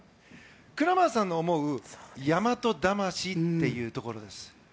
クラマーさんの思う大和魂というところです。